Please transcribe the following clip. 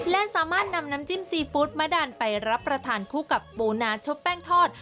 และสามารถนำน้ำจิ้มซีฟู้ดมะดันไปรับประทานคู่กับปูนาชบแป้งทอด